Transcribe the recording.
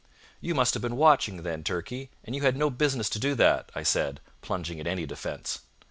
"You must have been watching, then, Turkey, and you had no business to do that," I said, plunging at any defence.